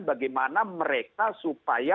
bagaimana mereka supaya